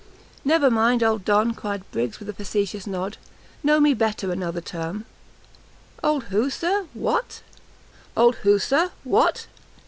"Never mind, old Don," cried Briggs, with a facetious nod, "Know me better another time!" "Old who, Sir! what!"